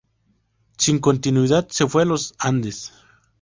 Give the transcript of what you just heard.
Sin continuidad, se fue a los Los Andes.